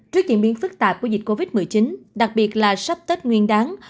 trước diễn biến phức tạp của dịch covid một mươi chín đặc biệt là sắp tết nguyên đáng